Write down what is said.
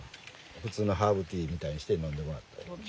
普通のハーブティーみたいにして飲んでもらったらいい。